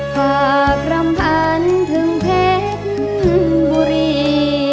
ฝากรำพันธุ์ถึงเพชรบุรี